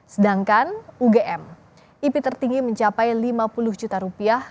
sedangkan ugm ip tertinggi mencapai lima puluh juta rupiah